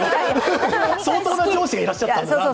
相当な上司がいらっしゃったんだなと。